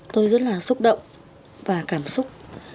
tôi rất là xúc động và cảm xúc